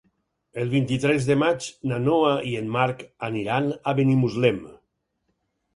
El vint-i-tres de maig na Noa i en Marc aniran a Benimuslem.